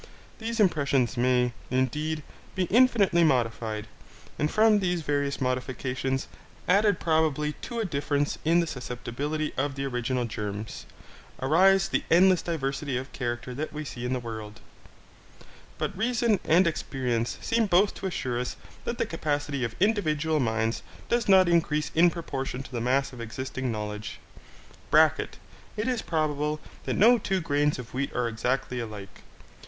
These impressions may, indeed, be infinitely modified, and from these various modifications, added probably to a difference in the susceptibility of the original germs, arise the endless diversity of character that we see in the world; but reason and experience seem both to assure us that the capacity of individual minds does not increase in proportion to the mass of existing knowledge. (It is probable that no two grains of wheat are exactly alike.